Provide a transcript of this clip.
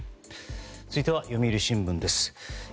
続いては、読売新聞です。